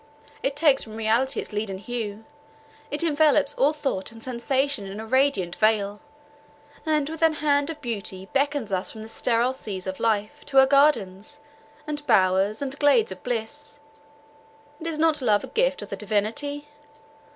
it takes from reality its leaden hue: it envelopes all thought and sensation in a radiant veil, and with an hand of beauty beckons us from the sterile seas of life, to her gardens, and bowers, and glades of bliss. And is not love a gift of the divinity?